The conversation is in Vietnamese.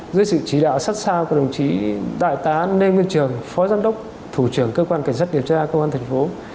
dưới sự chỉ đạo sát sao của đồng chí đại tá nê nguyên trường phó giám đốc thủ trưởng cơ quan cảnh sát điểm tra công an tp